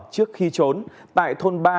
trước khi trốn tại thôn ba